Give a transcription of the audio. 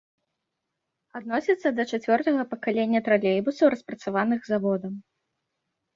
Адносіцца да чацвёртага пакалення тралейбусаў, распрацаваных заводам.